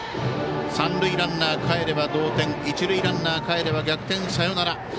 三塁ランナー、かえれば同点一塁ランナーかえれば逆転サヨナラ。